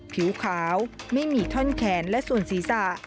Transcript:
ผิวขาวไม่มีท่อนแขนและส่วนศีรษะ